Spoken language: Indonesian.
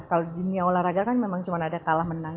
kalau dunia olahraga kan memang cuma ada kalah menang